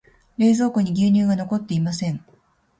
冷蔵庫に牛乳が残っていません。